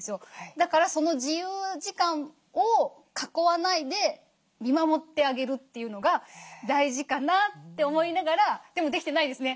だからその自由時間を囲わないで見守ってあげるというのが大事かなって思いながらでもできてないですね。